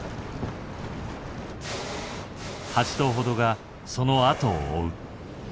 ８頭程がそのあとを追う。